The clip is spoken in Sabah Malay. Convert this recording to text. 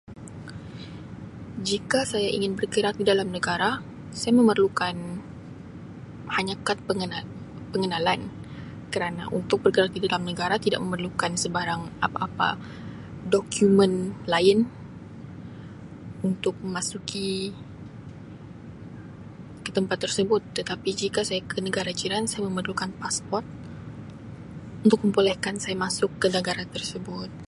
Jika saya ingin bergerak dalam negara, saya memerlukan hanya kad pengena-pengenalan kerana untuk bergerak pigi dalam negara tidak memerlukan sebarang apa-apa dokumen lain untuk memasuki ke tempat tersebut tetapi jika saya ke negara jiran, saya memerlukan passport untuk membolehkan saya masuk ke negara tersebut.